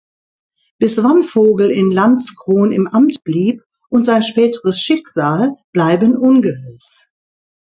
Bis wann Vogel in Landskron im Amt blieb und sein späteres Schicksal bleiben ungewiss.